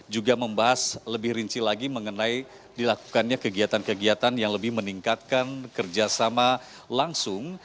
juga membahas lebih rinci lagi mengenai dilakukannya kegiatan kegiatan yang lebih meningkatkan kerjasama langsung